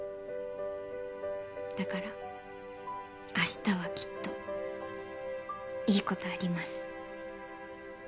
だから明日はきっといいことあります。